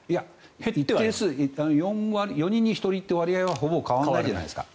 一定数４人に１人という割合はほぼ変わらないじゃないですか